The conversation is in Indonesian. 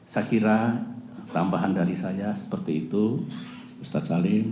saya kira tambahan dari saya seperti itu ustadz salim